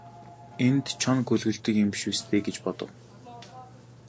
Энд чоно гөлөглөдөг юм биш биз дээ гэж бодов.